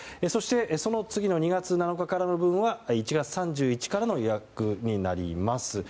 そして、その次の２月７日からの分は１月３１日からの予約になります。